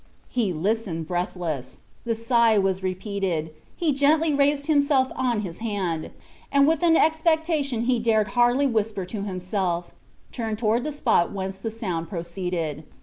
He listened breathless. The sigh was repeated. He gently raised himself on his hand, and with an expectation he dared hardly whisper to himself, turned toward the spot whence the sound proceeded.